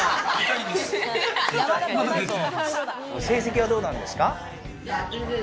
成績はどうですか？